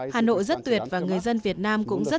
hà nội rất tuyệt và người dân việt nam cũng rất